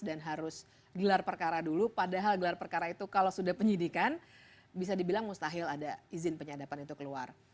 dan harus gelar perkara dulu padahal gelar perkara itu kalau sudah penyidikan bisa dibilang mustahil ada izin penyadapan itu keluar